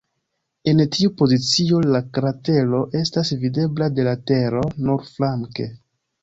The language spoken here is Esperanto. En tiu pozicio, la kratero estas videbla de la Tero nur flanke.